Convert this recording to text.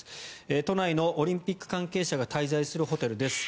都内のオリンピック関係者が滞在するホテルです。